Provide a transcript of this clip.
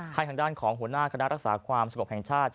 ทางด้านของหัวหน้าคณะรักษาความสงบแห่งชาติ